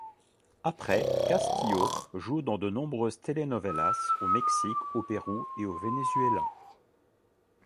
Après, Castillo joue dans de nombreuses telenovelas au Mexique, au Pérou et au Vénézuéla.